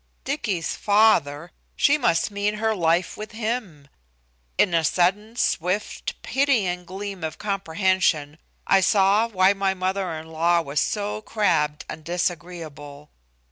Dicky's father! She must mean her life with him! In a sudden, swift, pitying gleam of comprehension, I saw why my mother in law was so crabbed and disagreeable.